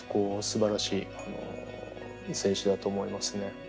すばらしい選手だと思いますね。